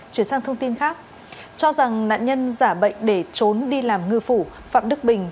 chuyển sang thông tin khác cho rằng nạn nhân giả bệnh để trốn đi làm ngư phủ phạm đức bình